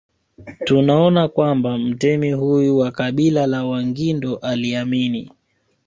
Tunaona kwamba mtemi huyu wa kabila la Wangindo aliamini